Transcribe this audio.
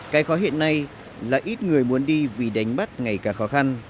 cái khó hiện nay là ít người muốn đi vì đánh bắt ngày càng khó khăn